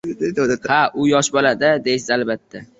“Ha u yosh bolada! – deysiz albatta